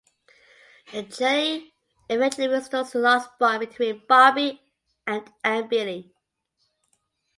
The journey eventually restores the lost bond between Bobby and Ambili.